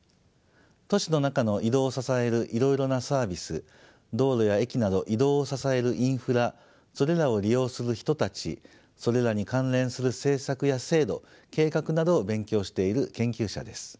都市の中の移動を支えるいろいろなサービス道路や駅など移動を支えるインフラそれらを利用する人たちそれらに関連する政策や制度計画などを勉強している研究者です。